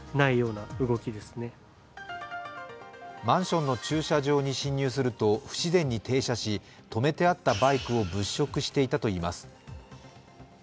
マンションの駐車場に侵入すると不自然に停車し、止めてあったバイクを物色していたといいます。